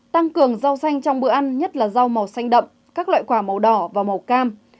tăng cường rau xanh trong bữa ăn nhất là rau màu xanh đậm các loại quả màu đỏ và màu cam